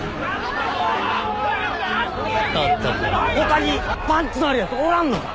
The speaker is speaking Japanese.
他にパンチのあるやつおらんのか！